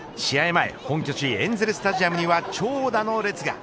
前、本拠地エンゼルスタジアムには長蛇の列が。